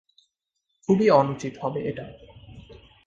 খুবই অনুচিত হবে এটা।